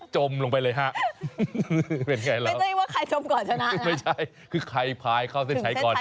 ใช่ร้อนกันไป